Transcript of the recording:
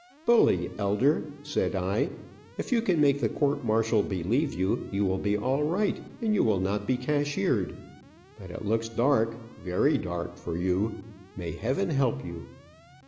"Bully, elder," said I. "If you can make the court martial believe you, you will be all right, and you will not be cashiered. But it looks dark, very dark, for you. May heaven help you."